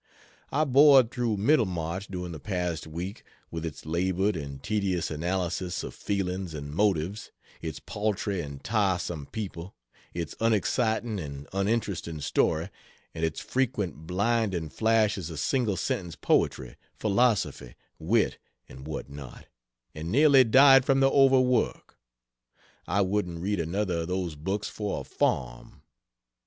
I bored through Middlemarch during the past week, with its labored and tedious analyses of feelings and motives, its paltry and tiresome people, its unexciting and uninteresting story, and its frequent blinding flashes of single sentence poetry, philosophy, wit, and what not, and nearly died from the overwork. I wouldn't read another of those books for a farm.